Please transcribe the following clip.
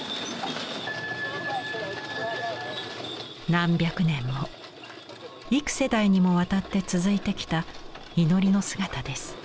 何百年も幾世代にもわたって続いてきた祈りの姿です。